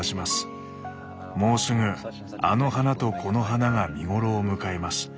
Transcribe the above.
「もうすぐあの花とこの花が見頃を迎えます。